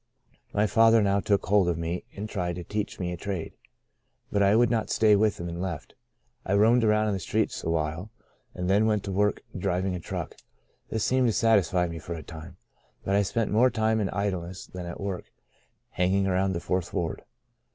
My father now took hold of me, and tried to teach me a trade, but I would not stay with him, and left. I roamed around on the streets a while, and then went to work driving a truck. This seemed to satisfy me for a time. But I spent more time in idleness than at work, hanging around the fourth ward.